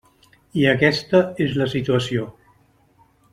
I aquesta és la situació.